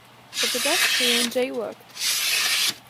The pedestrian jaywalked.